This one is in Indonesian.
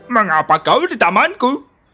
mengapa kau di tamanku